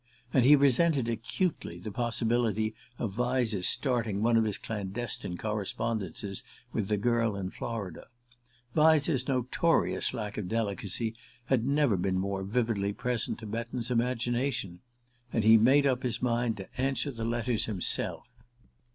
And he resented acutely the possibility of Vyse's starting one of his clandestine correspondences with the girl in Florida. Vyse's notorious lack of delicacy had never been more vividly present to Betton's imagination; and he made up his mind to answer the letters himself.